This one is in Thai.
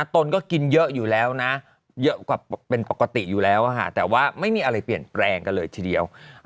ตนก็กินเยอะอยู่แล้วนะเยอะกว่าเป็นปกติอยู่แล้วแต่ว่าไม่มีอะไรเปลี่ยนแปลงกันเลยทีเดียว